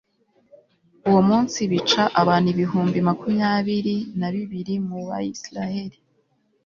uwo munsi bica abantu ibihumbi makumyabiri na bibiri mu bayisraheli